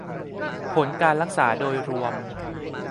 ผลการรักษาโดยรวม